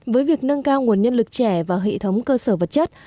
với việc nâng cao nguồn nhân lực trẻ và hệ thống cơ sở vật chất